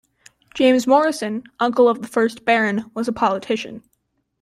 James Morrison, uncle of the first Baron, was a politician.